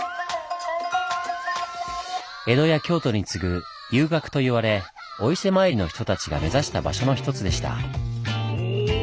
江戸や京都に次ぐ遊郭と言われお伊勢参りの人たちが目指した場所の一つでした。